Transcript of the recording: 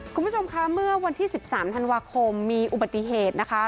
คุณผู้ชมคะเมื่อวันที่๑๓ธันวาคมมีอุบัติเหตุนะคะ